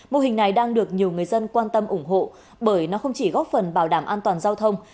mô hình này đang được nhiều người dân quan tâm ủng hộ bởi nó không chỉ góp phần bảo đảm an toàn giao thông